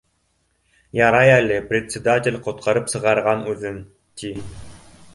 Ярай әле предсе датель ҡотҡарып сығарған үҙен, ти